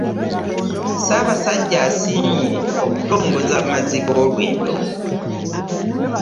Ssaabasajja asiimye okutongoza amazzi g'olwendo.